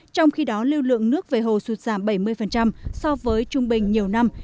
trong khi đó lưu lượng nước về hồ sụt giảm bảy mươi so với trung bình nhiều năm